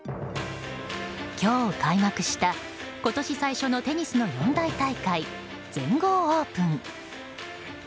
今日開幕した今年最初のテニスの四大大会全豪オープン。